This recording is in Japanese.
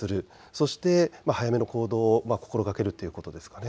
そして早めの行動を心がけるということですかね。